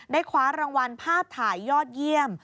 คว้ารางวัลภาพถ่ายยอดเยี่ยม